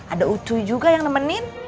ada ucu juga yang nemenin